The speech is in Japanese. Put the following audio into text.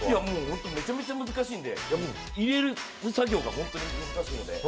本当にめちゃめちゃ難しいので、入れる作業が本当に難しいので。